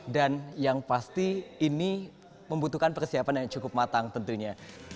dan yang pasti ini membutuhkan persiapan yang cukup matang tentunya